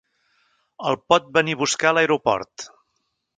El pot venir a buscar a l'aeroport.